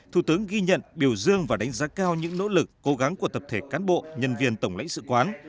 thủ tướng ghi nhận biểu dương và đánh giá cao những nỗ lực cố gắng của tập thể cán bộ nhân viên tổng lãnh sự quán